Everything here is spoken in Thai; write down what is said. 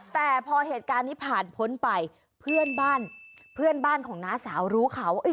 แต่พอเหตุการณ์นี้ผ่านพ้นไปเพื่อนบ้านของน้าสาวรู้ข่าวว่า